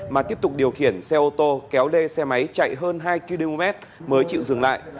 mà tiếp tục điều khiển xe ô tô kéo lê xe máy chạy hơn hai km mới chịu dừng lại